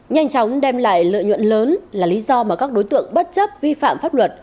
nhanh chóng đem lại lợi nhuận lớn là lý do mà các đối tượng bất chấp vi phạm pháp luật